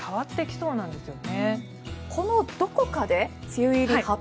そうなんですよね。